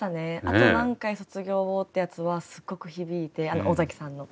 「あと何回卒業を」ってやつはすごく響いて尾崎さんの。